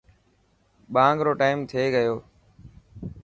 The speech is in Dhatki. ٻانگ رو ٽائيم ٿي گيو.